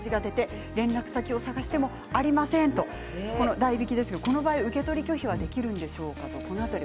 代引きですが受け取り拒否はできるんでしょうか？